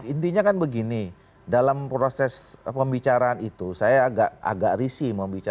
itu provokasinya golkar ya